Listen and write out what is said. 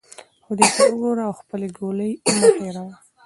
خدای ته وګوره او خپلې ګولۍ مه هیروه.